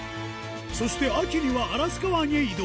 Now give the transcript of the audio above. そして秋にはアラスカ湾へ移動。